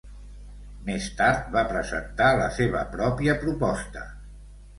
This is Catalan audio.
Més tard, va presentar la seva pròpia proposta.